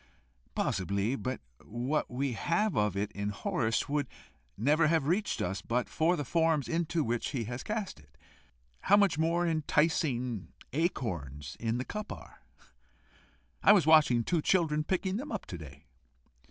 "Possibly; but what we have of it in Horace would never have reached us but for the forms into which he has cast it. How much more enticing acorns in the cup are! I was watching two children picking them up to day."